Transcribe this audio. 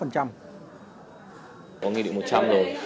có nghị định một trăm linh rồi